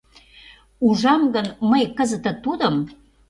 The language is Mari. Ужам гын мый кызыте тудым